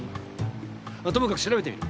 ともかく調べてみる。